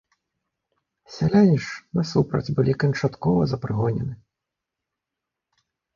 Сяляне ж, насупраць, былі канчаткова запрыгонены.